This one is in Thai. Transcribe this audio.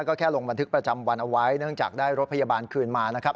ก็แค่ลงบันทึกประจำวันเอาไว้เนื่องจากได้รถพยาบาลคืนมานะครับ